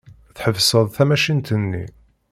Tḥebseḍ tamacint-nni.